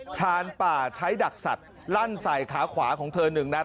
พรานป่าใช้ดักสัตว์ลั่นใส่ขาขวาของเธอ๑นัด